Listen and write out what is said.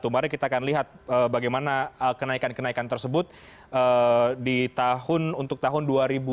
mari kita akan lihat bagaimana kenaikan kenaikan tersebut untuk tahun dua ribu dua puluh